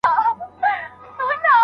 د مرغۍ بچي له یوې څانګې بلې ته ټوپ کړ.